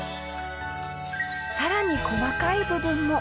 さらに細かい部分も。